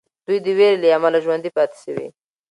دوی د ویرې له امله ژوندي پاتې سوي.